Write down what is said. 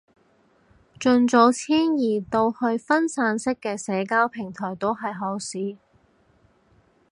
盡早遷移到去分散式嘅社交平台都係好事